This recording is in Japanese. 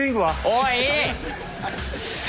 おい！